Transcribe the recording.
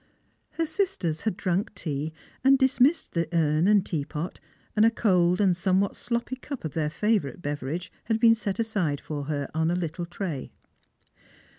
Her sisters had drunk tea, and dismissed the urn and tea pot, and a cold and somewhat sloj^py cup of their favourite beverage had been set aside for her on a little tray.